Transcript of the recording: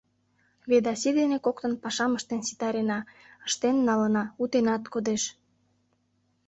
Ведаси дене коктын пашам ыштен ситарена, ыштен налына, утенат кодеш.